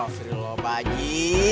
astagfirullah pak ji